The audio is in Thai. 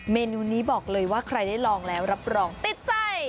เมนูนี้บอกเลยว่าใครได้ลองแล้วรับรองติดใจ